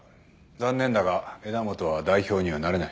残念だが枝元は代表にはなれない。